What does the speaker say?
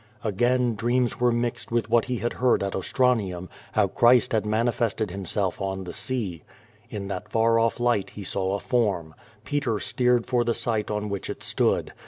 Again dreams were mixed with what lie iiad heard at Ostranium, how Christ had manifested himself on the sea. QUO VADIS. 20I In that far off light he saw a form. Peter steered for the site oil which it stood.